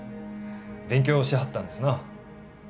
勉強しはったんですな。